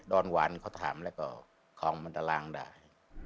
ดอนวันเขาทำแล้วก็ของมันตลางได้